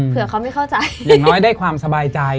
เผื่อเขาไม่เข้าใจอย่างน้อยได้ความสบายใจ